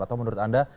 atau menurut anda